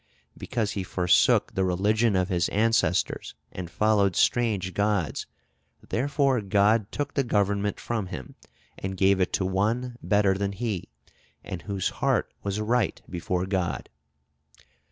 Because he forsook the religion of his ancestors and followed strange gods, therefore God took the government from him, and gave it to one better than he, and whose heart was right before God."